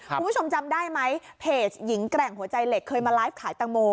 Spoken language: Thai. คุณผู้ชมจำได้ไหมเพจหญิงแกร่งหัวใจเหล็กเคยมาไลฟ์ขายตังโม